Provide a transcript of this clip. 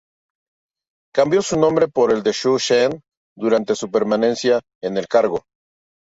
Cambió su nombre por el de Zhu Zhen, durante su permanencia en el cargo.